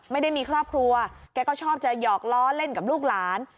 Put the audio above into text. ไม่ได้มีครอบครัวแกก็ชอบจะหยอกล้อเล่นกับลูกหลาน